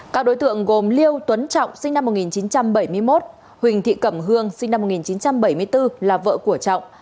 các đối tượng gồm liêu tuấn trọng sinh năm một nghìn chín trăm bảy mươi một huỳnh thị cẩm hương sinh năm một nghìn chín trăm bảy mươi bốn là vợ của trọng